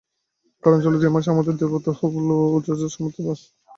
কারণ, চলতি মাস আমাদের দেবতা হুবল ও উযযার সম্মানিত মাস।